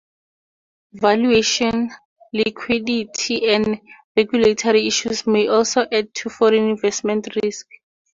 Valuation, liquidity, and regulatory issues may also add to foreign investment risk.